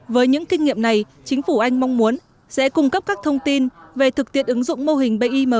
với những kinh nghiệm này chính phủ anh mong muốn sẽ cung cấp các thông tin về thực tiện ứng dụng mô hình bim